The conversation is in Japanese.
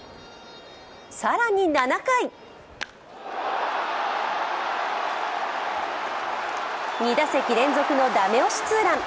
更に７回２打席連続のだめ押しツーラン。